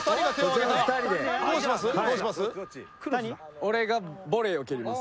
俺がボレーを蹴ります。